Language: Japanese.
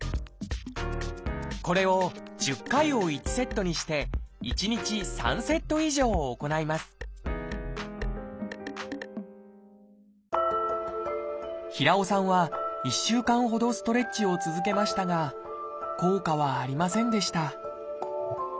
これを１０回を１セットにして１日３セット以上行います平尾さんは１週間ほどストレッチを続けましたが効果はありませんでした